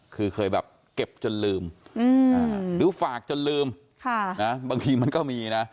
คือเคยแบบเก็บจนลืมหรือฝากจนลืมบางทีมันก็มีนะ